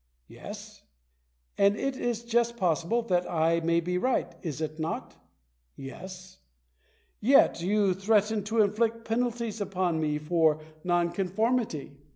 " Yes." "And it is just possible that I may be right, is it not ?"" Yes." " Yet you threaten to inflict penalties upon me for nonconformity